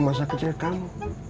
masa kecil kamu